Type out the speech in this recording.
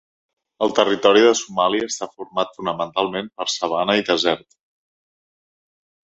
El territori de Somàlia està format fonamentalment per sabana i desert.